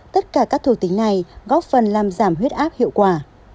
tất cả các thổ tính này góp phần làm giảm huyết áp hiệu quả